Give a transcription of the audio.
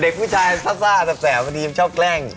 เด็กผู้ชายซ่าแบบแสมเมื่อกี้ชอบแกล้ง